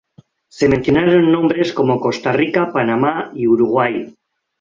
Se mencionaron nombres como Costa Rica, Panamá y Uruguay.